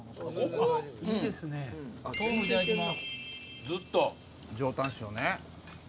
豆腐いただきます。